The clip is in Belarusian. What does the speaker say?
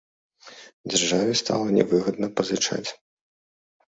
Дзяржаве стала нявыгадна пазычаць!